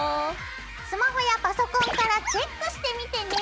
スマホやパソコンからチェックしてみてね。